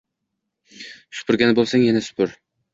Supurgan boʻlsang, yana supur